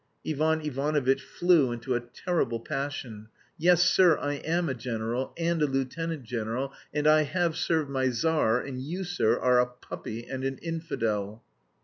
Ivan Ivanovitch flew into a terrible passion: "Yes, sir, I am a general, and a lieutenant general, and I have served my Tsar, and you, sir, are a puppy and an infidel!"